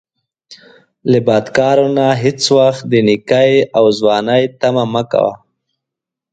له بدکارو نه هیڅ وخت د نیکۍ او ځوانۍ طمعه مه کوه